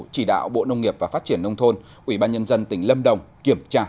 chỉ đạo bộ nông nghiệp và phát triển nông thôn ubnd tỉnh lâm đồng kiểm tra